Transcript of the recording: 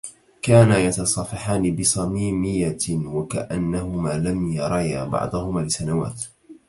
كانا يتصافحان بصميمية وكأنهما لم يريا بعضهما لسنوات.